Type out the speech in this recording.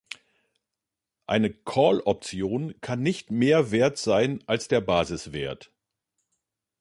Eine Call-Option kann nicht mehr wert sein als der Basiswert.